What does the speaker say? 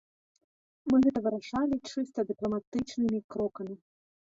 Мы гэта вырашалі чыста дыпламатычнымі крокамі.